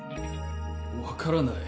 分からない。